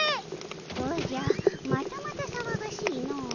おじゃまたまたさわがしいのう。